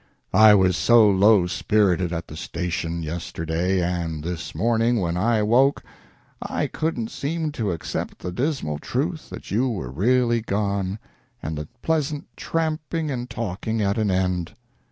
I was so low spirited at the station yesterday, and this morning, when I woke, I couldn't seem to accept the dismal truth that you were really gone and the pleasant tramping and talking at an end.